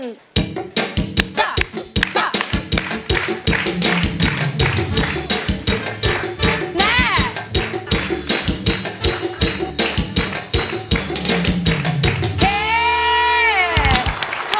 ชัก